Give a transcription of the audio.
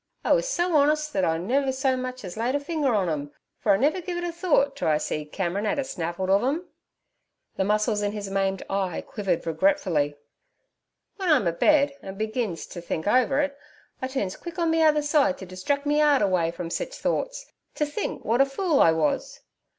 I wus so honest thet I never so much ez laid a fing er on 'em, fer I never giv' it a thort t' I see Cameron 'ad a snavelled ov 'em.' The muscles in his maimed eye quivered regretfully. 'W'en I'm abed an' begins t' think over it, I turns quick on me other side t' distrack me 'eart away from sich thoughts, t' think w'at a fool I was.